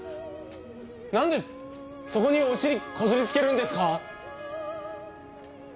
何でそこにお尻こすりつけるんですか？